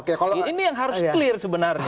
ini yang harus clear sebenarnya